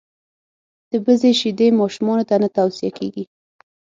دبزې شیدي ماشومانوته نه تو صیه کیږي.